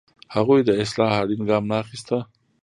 هغوی د اصلاح اړین ګام نه اخیسته.